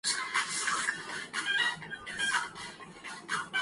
امریکی صدربننے کےبعد میرے والد کوکاروبار میں کروڑوں ڈالر کا نقصان ہوا ٹرمپ جونیئر